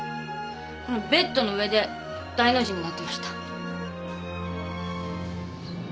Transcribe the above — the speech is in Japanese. このベッドの上で大の字になってました。